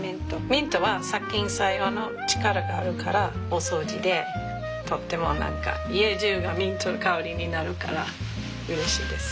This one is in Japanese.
ミントは殺菌作用の力があるからお掃除でとっても何か家じゅうがミントの香りになるからうれしいです。